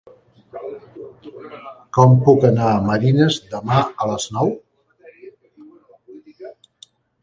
Com puc anar a Marines demà a les nou?